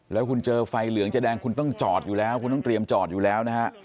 แล้วคุณเจอไฟเหลืองจะแดงคุณต้องจอดอยู่แล้วคุณต้องเตรียมจอดอยู่แล้วนะฮะ